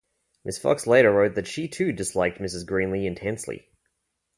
Ms. Fox later wrote that she too disliked Mrs. Greeley intensely.